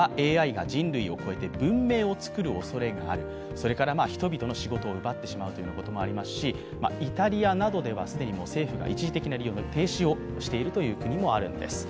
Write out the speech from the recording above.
それから人々の仕事を奪ってしまうということもありますし、イタリアなどではもう既に一時的に停止をしているという政府もあるんです。